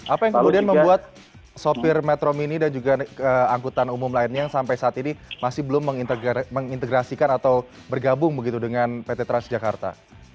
apa yang kemudian membuat sopir metro mini dan juga angkutan umum lainnya yang sampai saat ini masih belum mengintegrasikan atau bergabung begitu dengan pt transjakarta